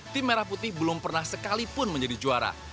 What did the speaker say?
tim merah putih belum pernah sekalipun menjadi juara